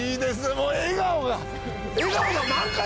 もう笑顔が！